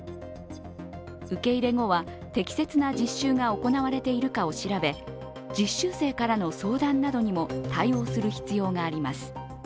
受け入れ後は、適切な実習が行われているかを調べ実習生からの相談などにも対応する必要があります。